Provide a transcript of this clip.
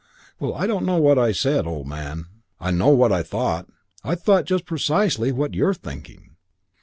"Well, I don't know what I said, old man. I know what I thought. I thought just precisely what you're thinking.